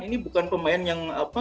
ini bukan pemain yang